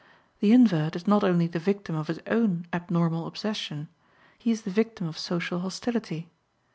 The invert is not only the victim of his own abnormal obsession, he is the victim of social hostility.